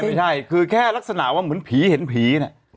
ไม่ใช่คือแค่ลักษณะว่าเหมือนผีเห็นผีน่ะ